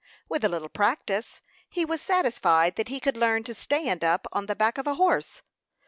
With a little practice, he was satisfied that he could learn to stand up on the back of a horse.